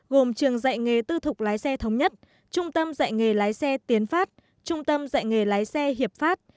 gồm trường dạy nghề tư thục lái xe thống nhất trung tâm dạy nghề lái xe tiến phát trung tâm dạy nghề lái xe hiệp pháp